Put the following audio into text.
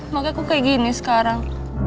makanya aku kayak gini sekarang